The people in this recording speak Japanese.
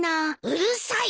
うるさい！